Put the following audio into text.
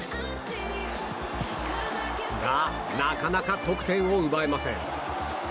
が、なかなか得点を奪えません。